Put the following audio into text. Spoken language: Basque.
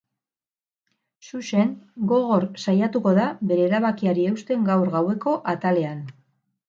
Zuzen gogor saiatuko da bere erabakiari eusten gaur gaueko atalean.